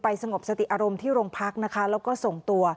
ไปสงบสติอารมณ์ที่โรงพรรคนะคะ